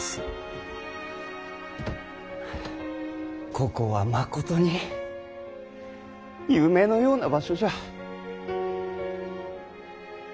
ここはまことに夢のような場所じゃ。